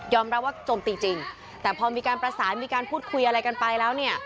รับว่าโจมตีจริงแต่พอมีการประสานมีการพูดคุยอะไรกันไปแล้วเนี่ย